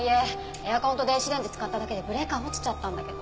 エアコンと電子レンジ使っただけでブレーカー落ちちゃったんだけど。